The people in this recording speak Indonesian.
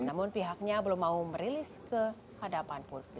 namun pihaknya belum mau merilis ke hadapan putri